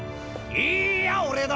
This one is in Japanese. いいや俺だ！